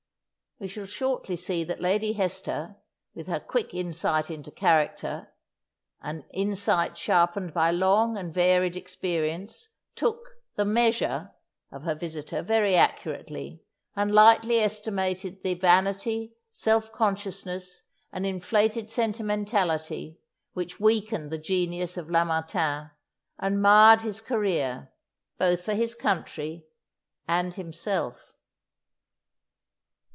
We shall shortly see that Lady Hester, with her quick insight into character, an insight sharpened by long and varied experience, took "the measure" of her visitor very accurately, and lightly estimated the vanity, self consciousness, and inflated sentimentality which weakened the genius of Lamartine and marred his career, both for his country and himself.